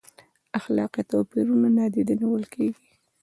اخلاقي توپیرونه نادیده نیول کیږي؟